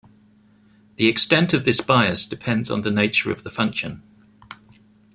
The extent of this bias depends on the nature of the function.